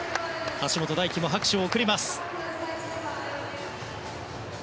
橋本大輝も拍手を送ります。